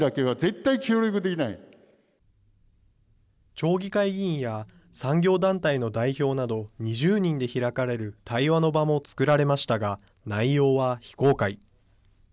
町議会議員や産業団体の代表など、２０人で開かれる対話の場も作られましたが、内容は非公開。